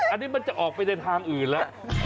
อันนี้มันจะออกไปในทางอื่นแล้ว